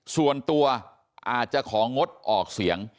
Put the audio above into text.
ส่วนตัวอาจจะของงดออกเสียง